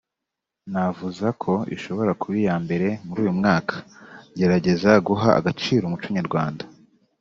navuza ko ishobora kuba iya mbere muri uyu mwaka ngerageza guha agaciro umuco Nyarwanda